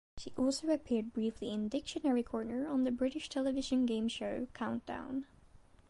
She also appeared briefly in "Dictionary Corner" on the British television game show "Countdown".